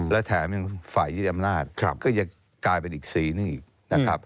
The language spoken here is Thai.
และแถมฝ่ายยึดอำนาจก็ยังกลายเป็นอีกสีนึงอีก